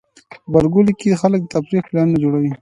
غبرګولی کې خلک د تفریح پلانونه جوړوي.